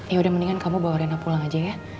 yaudah mendingan kamu bawa reina pulang aja ya